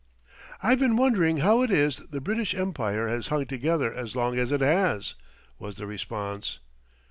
"I've been wondering how it is the British Empire has hung together as long as it has," was the response.